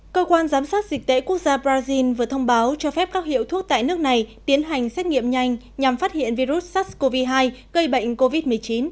cơ quan giám sát dịch tễ quốc gia brazil vừa thông báo cho phép các hiệu thuốc tại nước này tiến hành xét nghiệm nhanh nhằm phát hiện virus sars cov hai gây bệnh covid một mươi chín